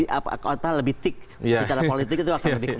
secara politik itu akan lebih kental gitu